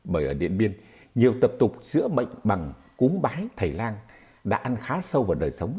bởi ở điện biên nhiều tập tục giữa mệnh bằng cúng bái thầy lang đã ăn khá sâu vào đời sống